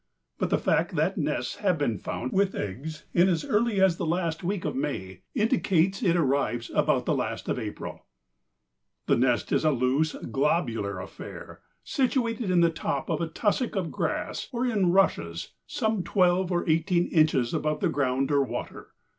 But the fact that nests have been found with eggs in as early as the last week of May indicates it arrives about the last of April. The nest is a loose, globular affair situated in the top of a tussock of grass or in rushes some twelve or eighteen inches above the ground or water.